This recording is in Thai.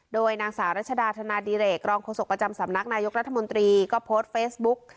โดยนางสาวรัชดาธนาดิเรกรองโฆษกประจำสำนักนายกรัฐมนตรีก็โพสต์เฟซบุ๊ก